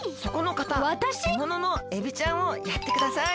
わたし？えもののエビちゃんをやってください。